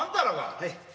はい。